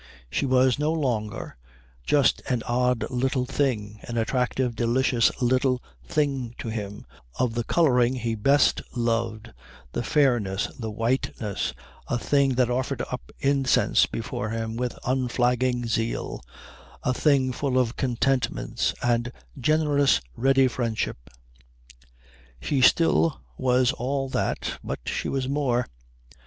She was no longer just an odd little thing, an attractive, delicious little thing to him, of the colouring he best loved, the fairness, the whiteness, a thing that offered up incense before him with unflagging zeal, a thing full of contentments and generous ready friendship; she still was all that, but she was more.